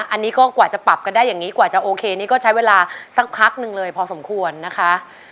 อันนี้ก็กว่าจะปรับกันได้อย่างนี้กว่าจะโอเคนี่ก็ใช้เวลาสักพักหนึ่งเลยพอสมควรนะคะ